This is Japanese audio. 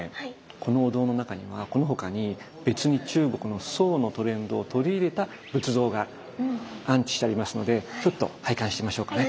このお堂の中にはこの他に別に中国の宋のトレンドを取り入れた仏像が安置してありますのでちょっと拝観してみましょうかね。